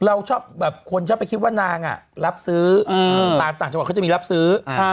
เราชอบแบบคนชอบไปคิดว่านางรับซื้อตามต่างจังหวัดเขาจะมีรับซื้อ